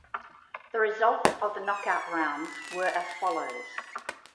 The results of the knockout rounds were as follows.